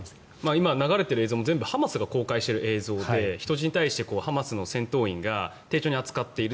今、流れている映像もハマスが公開している映像で人質に対してハマスの戦闘員が丁重に扱っている。